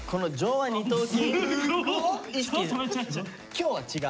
今日は違う。